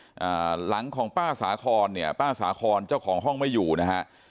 อ่าหลังของป้าสาครเนี้ยป้าสาครเจ้าของห้องไม่อยู่นะฮะอ่า